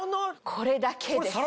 これだけです。